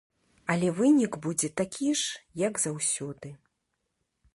Але вынік будзе такі ж, як заўсёды.